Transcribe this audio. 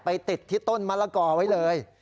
ติดที่ต้นมะละกอไว้เลย